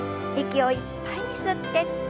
息をいっぱいに吸って。